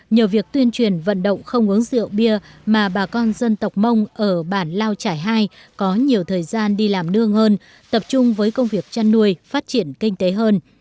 nhờ việc tuyên truyền vận động không uống rượu bia mà bà con dân tộc mông ở bản lao trải hai có nhiều thời gian đi làm nương hơn tập trung với công việc chăn nuôi phát triển kinh tế hơn